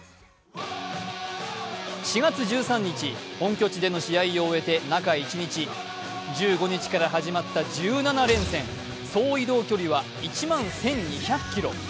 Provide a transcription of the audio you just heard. ４月１３日、本拠地での試合を終えて中１日、１５日から始まった１７連戦総移動距離は１万１２００ｋｍ。